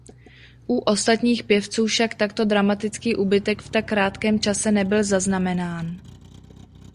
U ostatních pěvců však takto dramatický úbytek v tak krátkém čase nebyl zaznamenán.